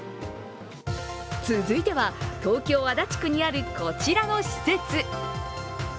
続いては、東京・足立区にあるこちらの施設。